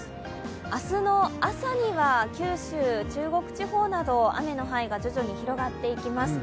明日の朝には九州、中国地方など、雨の範囲が徐々に広がっていきます。